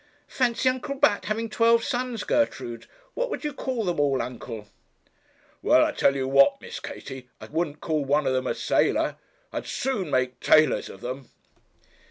Fancy Uncle Bat having twelve sons, Gertrude. What would you call them all, uncle?' 'Why, I tell you what, Miss Katie, I wouldn't call one of them a sailor. I'd sooner make tailors of them.'